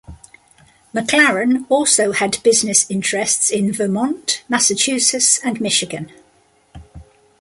MacLaren also had business interests in Vermont, Massachusetts and Michigan.